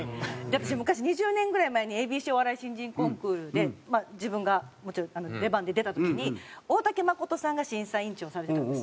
私昔２０年ぐらい前にＡＢＣお笑い新人コンクールで自分がもちろん出番で出た時に大竹まことさんが審査員長をされてたんですね。